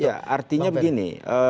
oh iya artinya begini